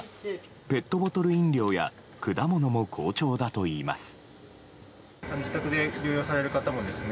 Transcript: ペットボトル飲料や果物も好調だといいます。